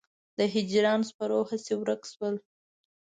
د هجران سپرو هسې ورک شول.